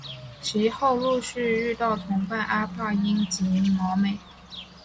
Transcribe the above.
其后陆续遇到同伴阿帕因及毛美。